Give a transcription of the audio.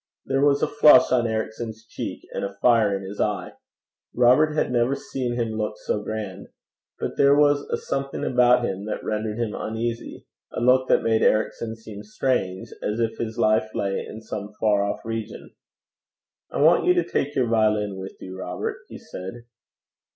There was a flush on Ericson's cheek, and a fire in his eye. Robert had never seen him look so grand. But there was a something about him that rendered him uneasy a look that made Ericson seem strange, as if his life lay in some far off region. 'I want you to take your violin with you, Robert,' he said.